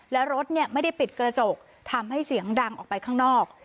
และรถไม่ได้ปิดกระจกทำให้เสียงดังออกไปข้างนอก